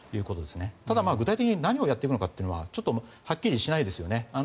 ただ、具体的に何をやっていくのかというのははっきりしないですよね。